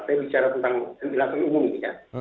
saya bicara tentang ventilasi umum ini ya